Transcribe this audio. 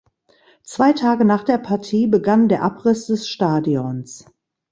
Zwei Tage nach der Partie begann der Abriss des Stadions.